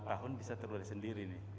ya lima tahun bisa terurai sendiri nih